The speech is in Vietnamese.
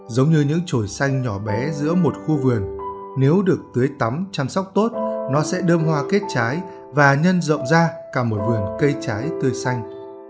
giống như những trồi xanh nhỏ bé giữa một khu vườn nếu được tưới tắm chăm sóc tốt nó sẽ đơm hoa kết trái và nhân rộng ra cả một vườn cây trái tươi xanh